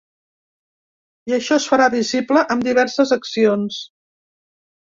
I això és farà visible amb diverses accions.